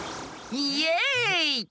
イエーイ！